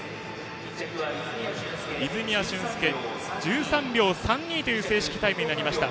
泉谷駿介は１３秒３２という正式タイムになりました。